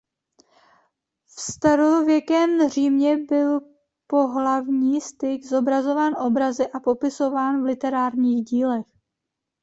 V starověkém Římě byl pohlavní styk zobrazován obrazy a popisován v literárních dílech.